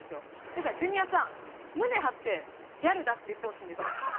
だからジュニアさん胸張ってギャルだって言ってほしいんです。